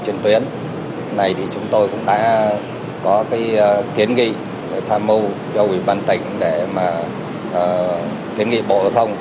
trên tuyến này thì chúng tôi cũng đã có cái kiến nghị tham mưu cho ủy ban tỉnh để mà kiến nghị bộ giao thông